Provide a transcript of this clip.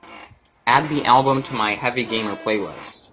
Add the album to my Heavy Gamer playlist.